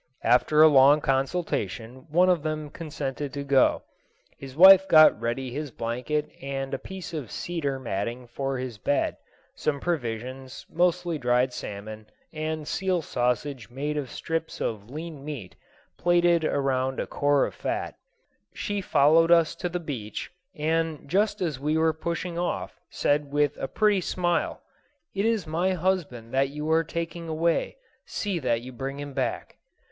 After a long consultation one of them consented to go. His wife got ready his blanket and a piece of cedar matting for his bed, and some provisions—mostly dried salmon, and seal sausage made of strips of lean meat plaited around a core of fat. She followed us to the beach, and just as we were pushing off said with a pretty smile, "It is my husband that you are taking away. See that you bring him back."